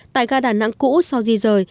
tại ga đà nẵng cũ sau di rời